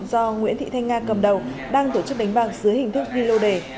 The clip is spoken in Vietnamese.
do nguyễn thị thanh nga cầm đầu đang tổ chức đánh bạc dưới hình thức ghi lô đề